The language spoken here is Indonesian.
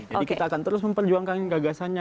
jadi kita akan terus memperjuangkan gagasannya